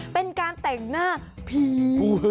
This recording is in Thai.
เป็นการแต่งหน้าผี